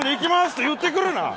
って言ってくるな！